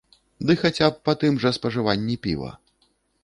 Ды хаця б па тым жа спажыванні піва.